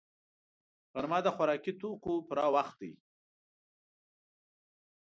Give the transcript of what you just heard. غرمه د خوراکي توکو پوره وخت دی